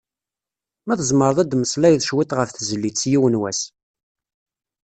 Ma tzemmreḍ ad d-temmeslayeḍ cwiṭ ɣef tezlit "Yiwen wass".